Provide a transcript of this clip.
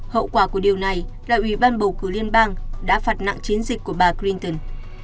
hậu quả của điều này là ủy ban bầu cử liên bang đã phạt nặng chiến dịch của bà clinton